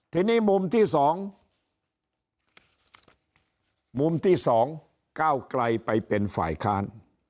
ทีนี้มุมที่๒มุมที่๒ก้าวไกลไปเป็นฝ่ายค้าน